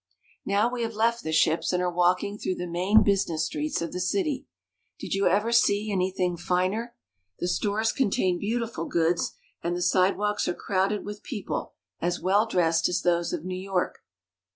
Now we have left the ships, and are walking through the main business streets of the city. Did you ever see anything finer? The stores contain beautiful goods, and the sidewalks are crowded with people as well dressed as those of New York.